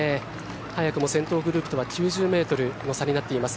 早くも先頭グループとは９０ｍの差になっています。